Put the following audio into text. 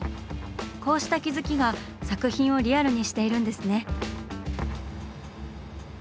こうした気付きが作品をリアルにしているんですね。